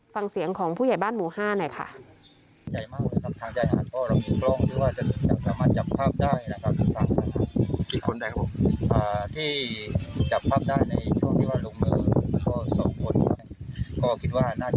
ฟังเสียงของผู้ใหญ่บ้านหมู่๕หน่อยค่ะ